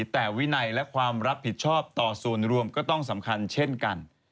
แต่วินัยและความรับผิดชอบต่อส่วนรวมก็ต้องสำคัญเช่นกัน